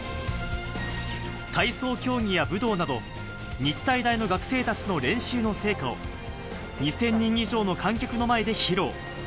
体操競技や武道など日体大の学生たちの練習の成果を２０００人以上の観客の前で披露。